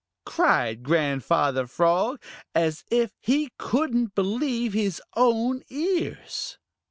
cried Grandfather Frog, as if he couldn't believe his own ears.